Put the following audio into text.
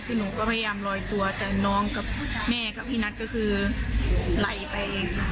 คือหนูก็พยายามลอยตัวแต่น้องกับแม่กับพี่นัทก็คือไหลไปเองค่ะ